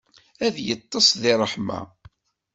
Ad yeṭṭes deg ṛṛeḥma.